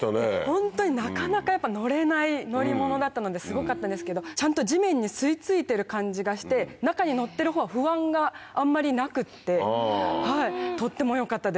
ホントになかなか乗れない乗り物だったのですごかったんですけどちゃんと地面に吸い付いてる感じがして中に乗ってる方は不安があんまりなくってとっても良かったです。